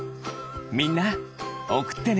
みんなおくってね！